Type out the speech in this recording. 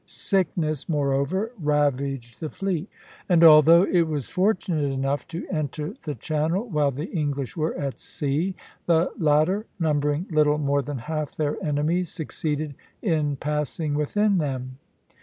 Sickness, moreover, ravaged the fleet; and although it was fortunate enough to enter the Channel while the English were at sea, the latter, numbering little more than half their enemies, succeeded in passing within them.